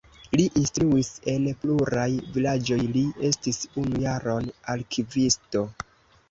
Li instruis en pluraj vilaĝoj, li estis unu jaron arkivisto.